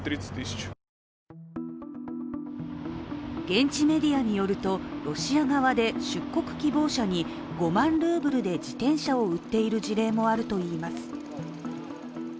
現地メディアによると、ロシア側で出国希望者に５万ルーブルで自転車を売っている事例もあるといいます。